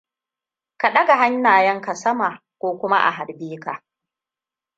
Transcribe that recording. Ka ɗaga hannayenka sama ko kuma a harbe ka.